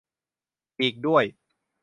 อีกด้วย